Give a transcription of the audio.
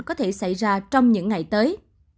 có thể xảy ra trong những ngày tới